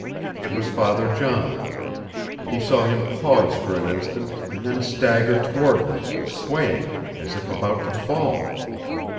It was Father John. He saw him pause for an instant, and then stagger toward them, swaying as if about to fall.